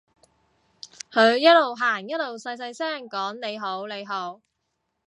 佢一路行一路細細聲講你好你好